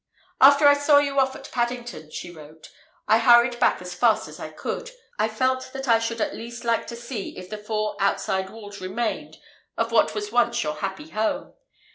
"After I saw you off at Paddington," she wrote, "I hurried back as fast as I could; I felt that I should at least like to see if the four outside walls remained of what was once your happy home.